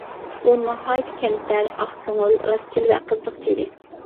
ئۇ ناھايىتى كەمتەر، ئاق كۆڭۈل، راستچىل ۋە قىزىقچى ئىدى.